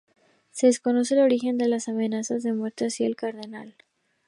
Se desconoce el origen de las amenazas de muerte hacia el cardenal.